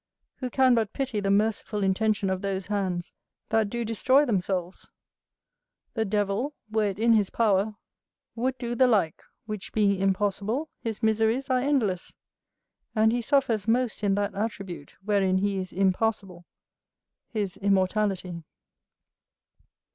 Who can but pity the merciful intention of those hands that do destroy themselves? The devil, were it in his power, would do the like; which being impossible, his miseries are endless, and he suffers most in that attribute wherein he is impassible, his immortality.